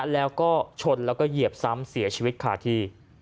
แล้วก็ชนแล้วก็เหยียบซ้ำเสียชีวิตขาดที่